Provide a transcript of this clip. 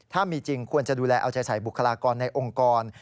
ถ้ามีจริงควรจะดูแลเอาใจใส่บุคลากรในองค์กร